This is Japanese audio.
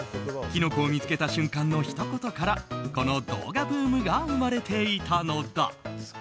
きのこを見つけた瞬間のひと言からこの動画ブームが生まれていたのだ。